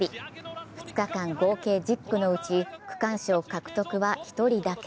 ２日間合計１０区のうち、区間賞獲得は１人だけ。